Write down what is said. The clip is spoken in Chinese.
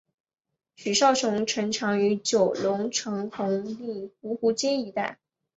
许绍雄成长于九龙城红磡芜湖街一带。